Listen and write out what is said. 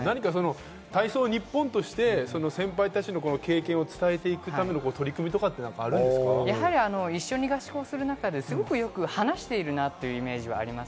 体操日本として先輩たちの経験を伝えていくための取り組みとかっ一緒に合宿をする中で、よく話しているなというイメージはあります。